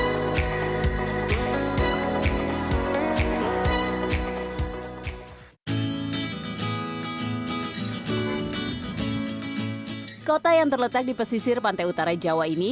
kota yang terletak di pesisir pantai utara jawa ini